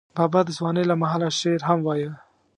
بابا د ځوانۍ له مهاله شعر هم وایه.